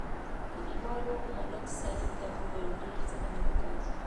کلیوالو ملک صاحب ته وویل: ډېر ظلم مه کوه.